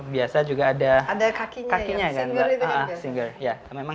biasa juga ada kakinya